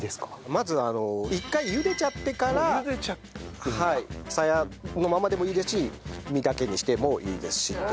まず一回茹でちゃってからさやのままでもいいですし実だけにしてもいいですしっていう。